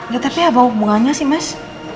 ya tapi ada hubungannya sih mas